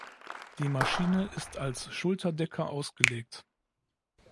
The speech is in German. Die Maschine ist als Schulterdecker ausgelegt.